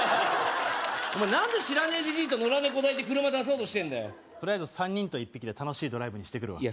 お前何で知らねえじじいと野良猫抱いて車出そうとしてんだよとりあえず３人と１匹で楽しいドライブにしてくるわいや